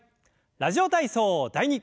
「ラジオ体操第２」。